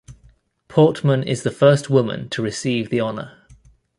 Portman is the first woman to receive the honour.